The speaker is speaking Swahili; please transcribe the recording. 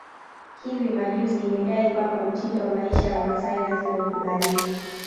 Hivi majuzi imedai kwamba mtindo wa maisha ya Wamasai lazima ukubaliwe